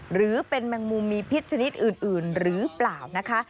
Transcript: หรือเป็นแมงมุมมีพิษชนิดอื่นหรือเปล่านะคะ